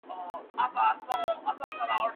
زه اوږده وخت مړۍ پخوم